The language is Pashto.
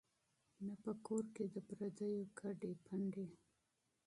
نه په کور کي د پردیو کډي پنډي